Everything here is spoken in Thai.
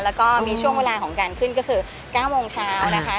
แล้วก็มีช่วงเวลาของการขึ้นก็คือ๙โมงเช้านะคะ